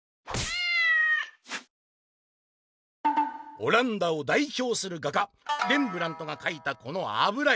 「オランダをだいひょうする画家レンブラントが描いたこのあぶら絵！